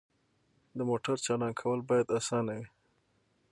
د موټر چالان کول باید اسانه وي.